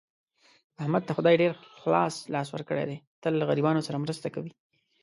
احمد ته خدای ډېر خلاص لاس ورکړی دی، تل له غریبانو سره مرسته کوي.